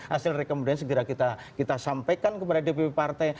hasil rekomendasi segera kita sampaikan kepada dpp partai